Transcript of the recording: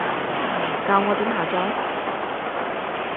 教我點下載？